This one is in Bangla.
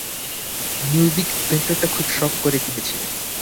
মিউজিক সেন্টারটা খুব শখ করে কিনেছিলেন।